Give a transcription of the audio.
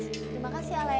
terima kasih alex